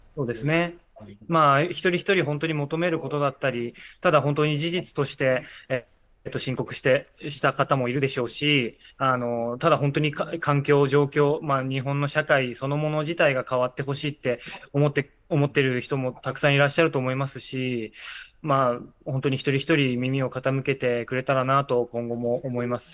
一人一人本当に求めることだったり、ただ本当に事実として申告した方もいるでしょうし、ただ、本当に環境・状況、日本の社会そのもの自体が変わってほしいと思っている人もたくさんいらっしゃると思いますし本当に一人一人耳を傾けてくれたらなと思います。